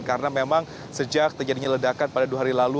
karena memang sejak terjadinya ledakan pada dua hari lalu